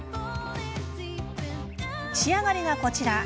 仕上がりがこちら。